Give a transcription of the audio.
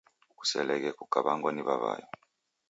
Kuseleghe kew'angwa ni w'aw'ayo